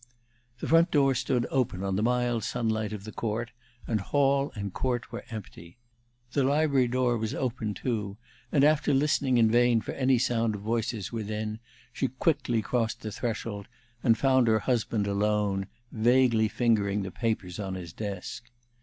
The front door stood open on the mild sunlight of the court, and hall and court were empty. The library door was open, too, and after listening in vain for any sound of voices within, she quickly crossed the threshold, and found her husband alone, vaguely fingering the papers on his desk.